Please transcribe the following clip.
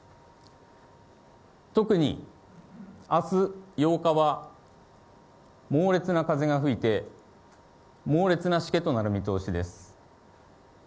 特にあす８日は、猛烈な風が吹いて、猛烈なしけとなる見通しです。